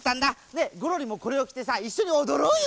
ねえゴロリもこれをきてさいっしょにおどろうよ！